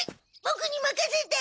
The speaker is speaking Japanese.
ボクにまかせて！